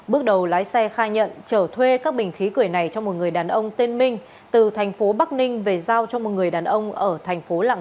bước đầu lái xe khai nhận chở thuê các bình khí cười này cho một người đàn ông tên minh từ tp bắc ninh về giao cho một người đàn ông ở tp lạng sơn để nhận tiền công là năm trăm linh đồng